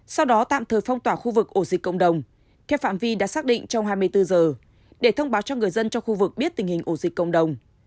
sau đó tạm thời phong tỏa khu vực ổ dịch cộng đồng theo phạm vi đã xác định trong hai mươi bốn giờ để thông báo cho người dân trong khu vực biết tình hình ổ dịch cộng đồng